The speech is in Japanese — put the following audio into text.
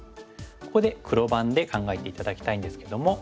ここで黒番で考えて頂きたいんですけども。